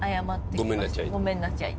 「ごめんなちゃい」。